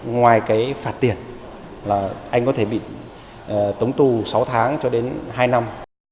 ngoài cái phạt tiền là anh có thể bị tống tù sáu tháng cho đến hai năm